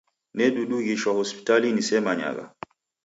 Nedudughishwa hospitali nisemanyagha.